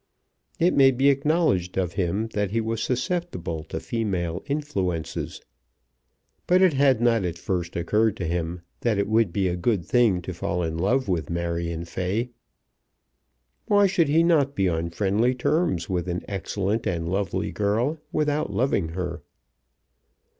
It may be acknowledged of him that he was susceptible to female influences. But it had not at first occurred to him that it would be a good thing to fall in love with Marion Fay. Why should he not be on friendly terms with an excellent and lovely girl without loving her?